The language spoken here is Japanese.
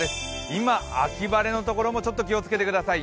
今、秋晴れのところもちょっと気をつけてください。